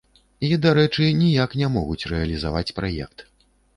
І, дарэчы, ніяк не могуць рэалізаваць праект.